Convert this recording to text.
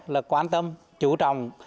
là quan tâm chú trọng